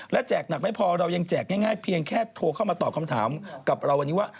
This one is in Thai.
และแจกหนักไม่พอเรายังแจกง่ายเพียงแค่โทรเข้ามาตอบคำถามกับเราวันนี้ว่า